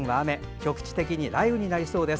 局地的に雷雨になりそうです。